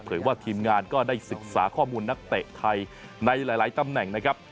ว่าทีมงานก็ได้ศึกษาข้อมูลนักเตะไทยในหลายตำแหน่งนะครับ